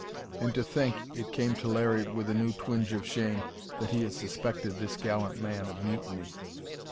And to think, it came to Larry with a new twinge of shame, that he had suspected this gallant man of mutiny!